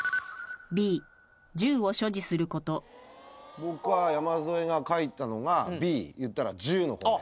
僕は山添が書いたのがＢいったら銃のことね。